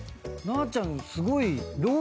なーちゃんすごい。